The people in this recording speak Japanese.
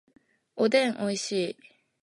おでんおいしい